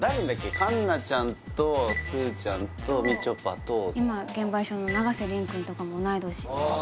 環奈ちゃんとすずちゃんとみちょぱと今現場一緒の永瀬廉くんとかも同い年ですああ